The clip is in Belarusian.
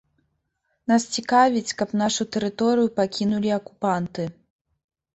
Нас цікавіць, каб нашу тэрыторыю пакінулі акупанты.